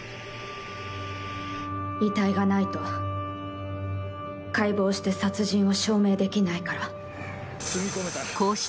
遺体がないと解剖をして殺人を証明できないから。